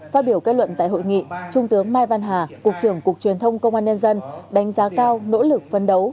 phát biểu kết luận tại hội nghị trung tướng mai văn hà cục trưởng cục truyền thông công an nhân dân đánh giá cao nỗ lực phấn đấu